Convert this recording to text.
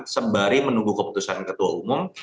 sembari menunggu keputusan ketua umum